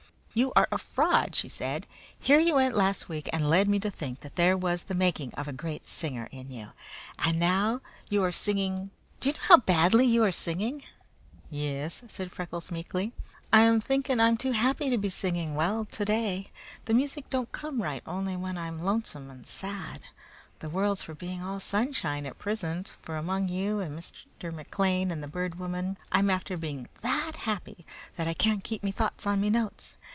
"You are a fraud," she said. "Here you went last week and led me to think that there was the making of a great singer in you, and now you are singing do you know how badly you are singing?" "Yis," said Freckles meekly. "I'm thinking I'm too happy to be singing well today. The music don't come right only when I'm lonesome and sad. The world's for being all sunshine at prisint, for among you and Mr. McLean and the Bird Woman I'm after being THAT happy that I can't keep me thoughts on me notes.